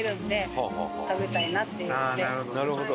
なるほど。